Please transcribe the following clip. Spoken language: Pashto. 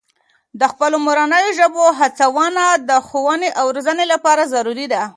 د خپلو مورنۍ ژبو هڅونه د ښوونې او روزنې لپاره ضروري ده.